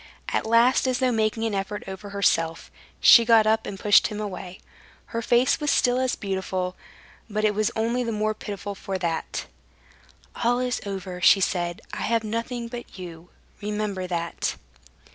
At last, as though making an effort over herself, she got up and pushed him away. Her face was still as beautiful, but it was only the more pitiful for that. "All is over," she said; "I have nothing but you. Remember that."